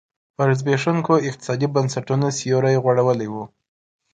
پر زبېښونکو اقتصادي بنسټونو سیوری غوړولی و.